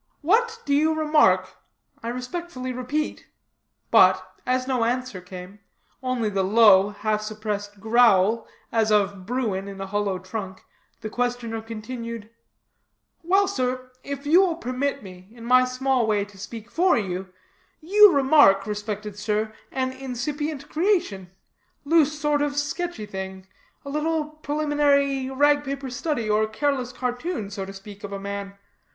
"What do you remark? I respectfully repeat." But, as no answer came, only the low, half suppressed growl, as of Bruin in a hollow trunk, the questioner continued: "Well, sir, if you will permit me, in my small way, to speak for you, you remark, respected sir, an incipient creation; loose sort of sketchy thing; a little preliminary rag paper study, or careless cartoon, so to speak, of a man.